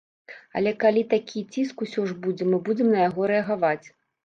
Але калі такі ціск усё ж будзе, мы будзем на яго рэагаваць.